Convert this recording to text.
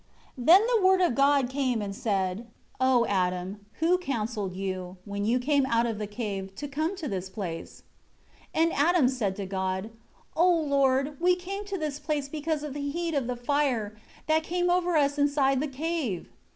1 Then the Word of God came and said: 2 "O Adam, who counselled you, when you came out of the cave, to come to this place?" 3 And Adam said to God, "O Lord, we came to this place because of the heat of the fire, that came over us inside the cave."